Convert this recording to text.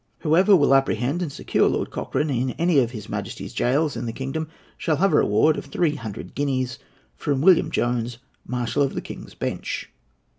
Whoever will apprehend and secure Lord Cochrane in any of His Majesty's gaols in the kingdom shall have a reward of three hundred guineas from William Jones, Marshal of the King's Bench."